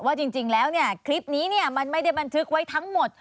ว่าจริงแล้วเนี่ยคลิปนี้มันไม่ได้บันทึกไว้ทั้งหมด